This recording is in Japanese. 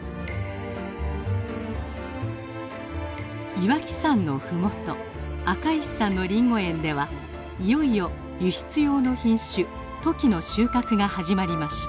岩木山の麓赤石さんのリンゴ園ではいよいよ輸出用の品種トキの収穫が始まりました。